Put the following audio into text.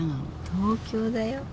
東京だよ。